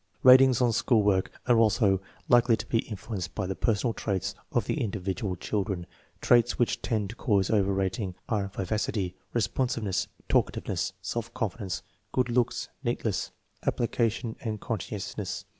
Ratings on school work are also likely to be influ enced by the personal traits of the individual children. Traits which tend to cause over rating are vivacity, responsiveness, talkativeness, self confidence, good looks, neatness, application, and conscientiousness.